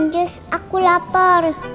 anjus aku lapar